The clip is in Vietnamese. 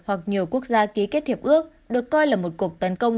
hoặc nhiều quốc gia ký kết hiệp ước được coi là một cuộc tấn công